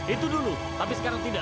itu dulu tapi sekarang tidak